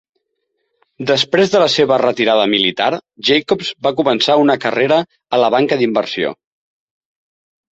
Després de la seva retirada militar, Jacobs va començar una carrera a la banca d'inversió.